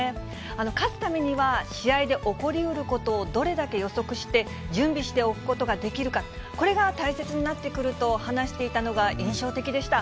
勝つためには試合で起こりうることをどれだけ予測して、準備しておくことができるか、これが大切になってくると話していたのが印象的でした。